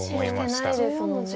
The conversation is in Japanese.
生きてないですもんね。